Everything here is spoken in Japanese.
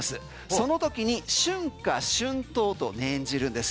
そのときに春、夏、秋、冬と念じるんです。